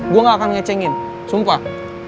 gue gak akan ngecengin sumpah